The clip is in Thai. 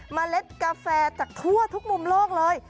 เล็ดกาแฟจากทั่วทุกมุมโลกเลย